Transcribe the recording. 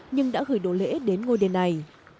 nhưng đã gửi đồ lễ đến ngôi đền này